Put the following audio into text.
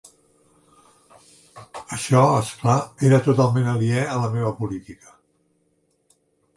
Això, és clar, era totalment aliè a la meva política.